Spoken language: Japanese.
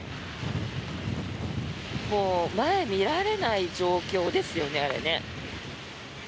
もう、前見られない状況ですよね。